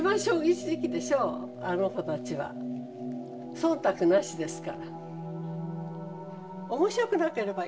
忖度なしですから。